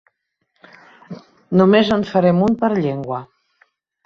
Només en farem un per llengua.